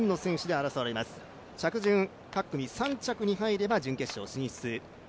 着順、各組３着に入れば準決勝進出